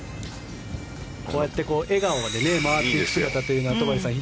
こうやって笑顔で回っているというのは、戸張さん